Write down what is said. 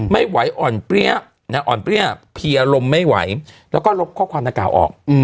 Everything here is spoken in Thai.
ไม่ไหวอ่อนเปรี้ยอ่อนเปรี้ยเพียลมไม่ไหวแล้วก็ลบข้อความดังกล่าวออก